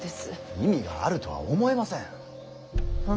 意味があるとは思えません。